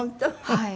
はい。